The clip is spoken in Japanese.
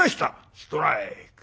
ストライク。